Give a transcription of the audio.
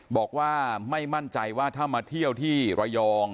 บอกว่าไม่มั่นใจว่าถ้ามาเที่ยวที่ระยอง